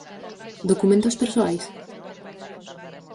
Documentos persoais?